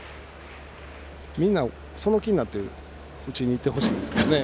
みんなその気になって打ちにいってほしいですけどね。